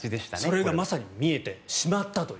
それがまさに見えてしまったという。